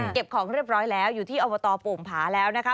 ของเรียบร้อยแล้วอยู่ที่อบตโป่งผาแล้วนะคะ